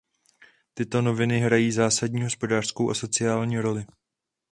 Tyto noviny hrají zásadní hospodářskou a sociální roli.